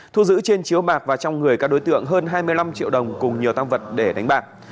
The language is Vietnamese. thu giữ trên chiếu bạc và trong người các đối tượng hơn hai mươi năm triệu đồng cùng nhiều tăng vật để đánh bạc